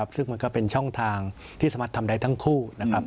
ซึ่งมันก็เป็นช่องทางที่สามารถทำได้ทั้งคู่นะครับ